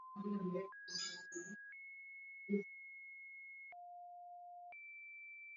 Mikutano hiyo iliyohitimishwa Jumapili ililenga kuondoa tofauti miongoni mwa wanachama Mia tisini na sita wa Mkataba wa Umoja wa Mataifa